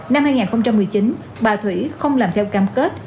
năm hai nghìn một mươi chín bà thủy không làm theo cam kết